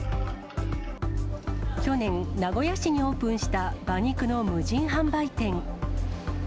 去年、名古屋市にオープンした馬肉の無人販売店。